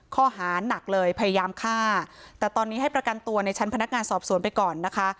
ข้อหานักเลยพยายามฆ่าแต่ตอนนี้ให้ประกันตัวในชั้นพนักงานสอบสวนไปก่อนนะคะ